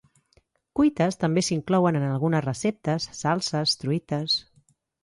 Cuites també s'inclouen en algunes receptes, salses, truites.